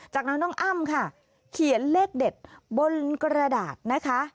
จากนั้นน้องอ้ำค่ะเขียนเลขเด็ดบนกระดาษนะคะ